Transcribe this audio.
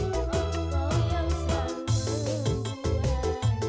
panggil buku teks sama sekalian lu